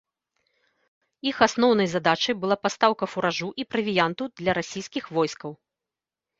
Іх асноўнай задачай была пастаўка фуражу і правіянту для расійскіх войскаў.